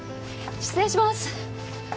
失礼します！